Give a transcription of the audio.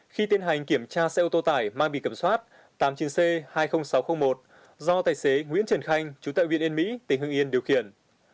khi tiến hành kiểm tra xe ô tô tải mang bì kiểm soát tám mươi chín c hai mươi nghìn sáu trăm linh một do tài xế nguyễn trần khanh chú tại viện yên mỹ tỉnh hưng yên điều khiển